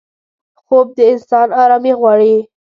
خوب د انسان آرامي غواړي